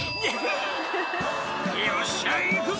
「よっしゃ行くぜ！」